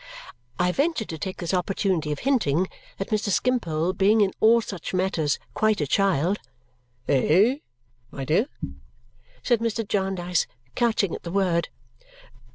I ventured to take this opportunity of hinting that Mr. Skimpole, being in all such matters quite a child "Eh, my dear?" said Mr. Jarndyce, catching at the word.